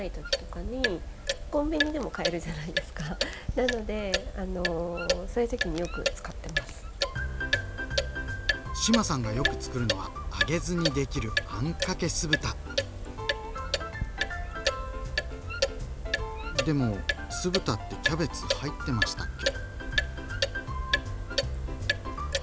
なのであの志麻さんがよくつくるのは揚げずにできるでも酢豚ってキャベツ入ってましたっけ？